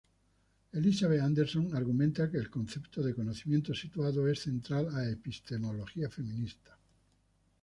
Elizabeth Anderson argumenta que el concepto de conocimiento situado es central a epistemología feminista.